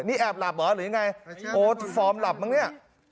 นี่แอบหลับเหรอหรืออย่างไร